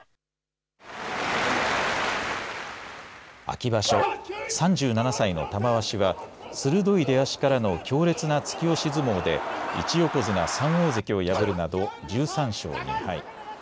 秋場所、３７歳の玉鷲は鋭い出足からの強烈な突き押し相撲で１横綱３大関を破るなど１３勝２敗。